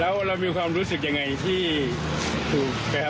แล้วเรามีความรู้สึกยังไงที่เคยทำแบบนี้